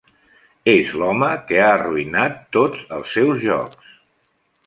És l'home que ha arruïnat tots els seus jocs.